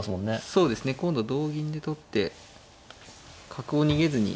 そうですね今度同銀で取って角を逃げずに。